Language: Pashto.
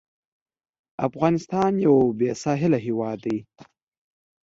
افغانستان یو بېساحله هېواد دی.